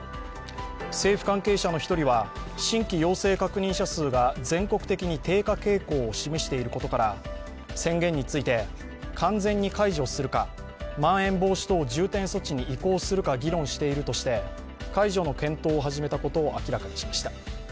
政府関係者の一人は、新規陽性確認者数が全国的に低下傾向を示していることから宣言について、完全に解除するか、まん延防止等重点措置に移行するか議論しているとして解除の検討を始めたことを明らかにしました。